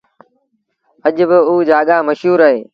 اڄ با اُجآڳآ مشهور اهي